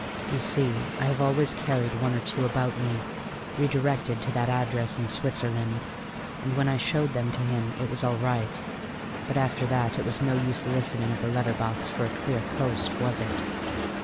You see, I have always carried one or two about me, redirected to that address in Switzerland, and when I showed them to him it was all right. But after that it was no use listening at the letter box for a clear coast, was it?"